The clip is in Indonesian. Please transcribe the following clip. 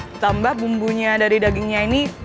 ditambah bumbunya dari dagingnya ini